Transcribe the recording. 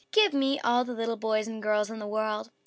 _" "Give me all the little boys and girls in the World.